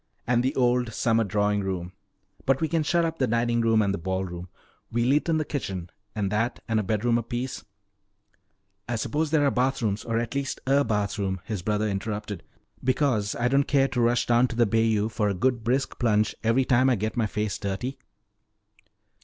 "And the old summer drawing room. But we can shut up the dining room and the ball room. We'll eat in the kitchen, and that and a bedroom apiece " "I suppose there are bathrooms, or at least a bathroom," his brother interrupted. "Because I don't care to rush down to the bayou for a good brisk plunge every time I get my face dirty."